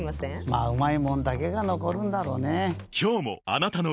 まぁうまいもんだけが残るんだろうねぇ。